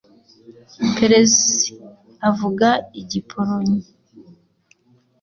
Peresi avuaga igipolonye .